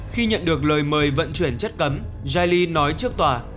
khi nhận được lời mời vận chuyển chất cấm jaili nói trước tòa